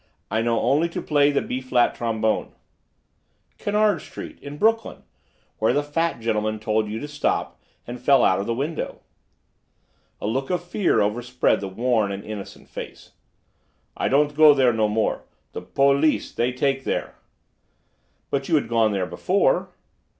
I know only to play the B flat trombone." "Kennard Street. In Brooklyn. Where the fat gentleman told you to stop, and fell out of the window." A look of fear overspread the worn and innocent face. "I don't go there no more. The po lice, they take there." "But you had gone there before?"